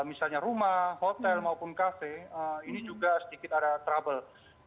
misalnya rumah hotel maupun kafe ini juga sedikit ada trouble